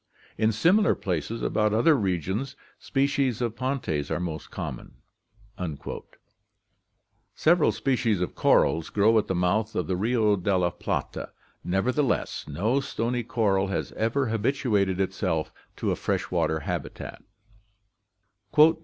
In similar places about other regions species of Pontes are most common.' Several species of corals grow at the mouth of the Rio della Plata." Nevertheless, no stony coral has ever habituated itself to a fresh water habitat.